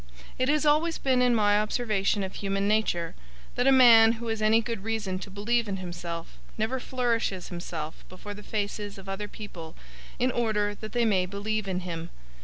It has always been in my observation of human nature, that a man who has any good reason to believe in himself never flourishes himself before the faces of other people in order that they may believe in him.